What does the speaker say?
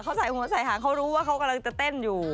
เขาใส่หัวใส่หางเขารู้ว่าเขากำลังจะเต้นอยู่